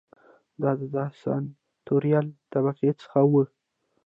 دا د سناتوریال طبقې څخه و